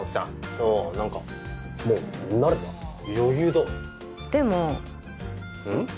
ああ何かもう慣れた余裕だわでもうん？